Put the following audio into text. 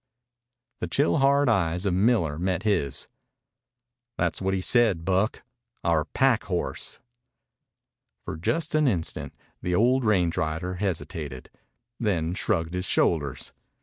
The chill, hard eyes of Miller met his. "That's what he said, Buck our pack horse." For just an instant the old range rider hesitated, then shrugged his shoulders.